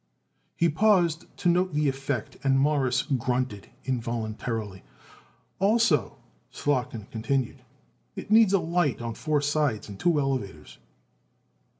He paused to note the effect and Morris grunted involuntarily. "Also," Slotkin continued, "it needs it light on four sides, and two elevators."